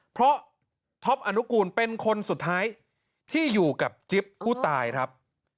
เพราะท็อปอนุกูลเป็นคนสุดท้ายที่อยู่กับจิ๊บผู้ตายครับ